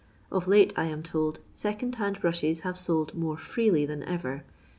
Of late, I am told, second hand brushes have sold more fireely than ever.